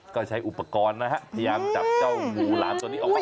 ก็ใช้อุปกรณ์นะฮะพยายามจับเจ้างูหลามตัวนี้ออกไป